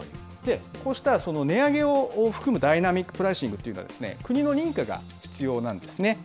こうした値上げを含むダイナミックプライシングっていうのは国の認可が必要なんですね。